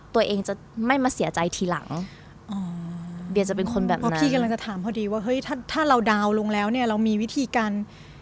ตัวเองจะไม่มาเสียใจทีหลังอ๋อเบียจะเป็นคนแบบนี้เพราะพี่กำลังจะถามพอดีว่าเฮ้ยถ้าเราดาวน์ลงแล้วเนี่ยเรามีวิธีการ